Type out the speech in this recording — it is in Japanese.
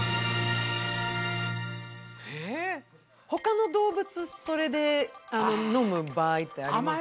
他の動物それで飲む場合ってありますか？